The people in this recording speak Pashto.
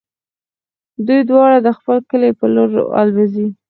دوی دواړه د خپل کلي په لور الوزي.